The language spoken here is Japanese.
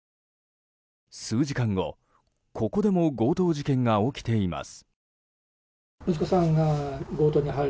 数時間後、ここでも強盗事件が起きています。